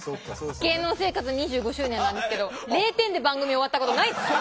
芸能生活２５周年なんですけど０点で番組終わったことないです。